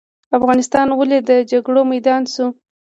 افغانستان ولې د جګړو میدان شو؟